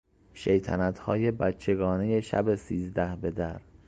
شیطنتهای بچگانهی شب سیزده بدر